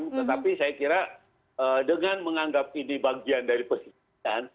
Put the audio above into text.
tetapi saya kira dengan menganggap ini bagian dari pesisian